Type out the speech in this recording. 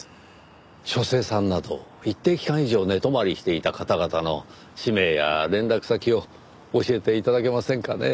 書生さんなど一定期間以上寝泊まりしていた方々の氏名や連絡先を教えて頂けませんかねぇ？